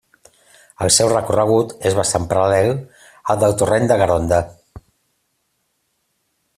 El seu recorregut és bastant paral·lel al del torrent de Garonda.